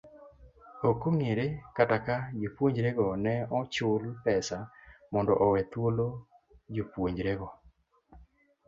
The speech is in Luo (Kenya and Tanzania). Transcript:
Ok ongere kata ka jopunjorego ne ochul pesa mondo owe thuolo jopuonjrego.